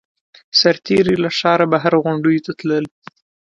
سرتېري له ښاره بهر غونډیو ته تلل